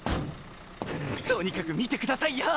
とにかく見てくださいよ。